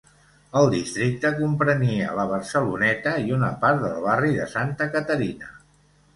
El districte comprenia la Barceloneta i una part del barri de Santa Caterina.